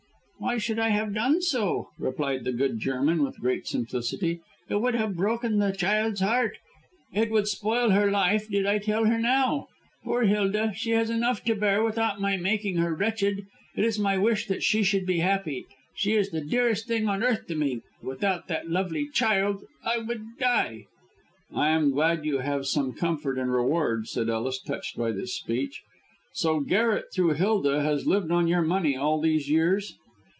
"Why should I have done so?" replied the good German, with great simplicity. "It would have broken the child's heart. It would spoil her life did I tell her now. Poor Hilda! She has enough to bear without my making her wretched. It is my wish that she should be happy. She is the dearest thing on earth to me. Without that lovely child I should die." "I am glad you have some comfort and reward," said Ellis, touched by this speech. "So Garret, through Hilda, has lived on your money all these years?"